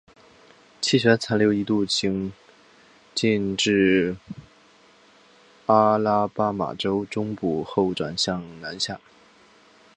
气旋残留一度行进至阿拉巴马州中部后转向南下。